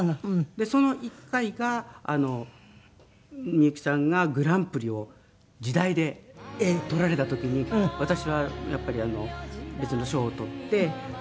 でその１回がみゆきさんがグランプリを『時代』でとられた時に私はやっぱり別の賞をとって見てました。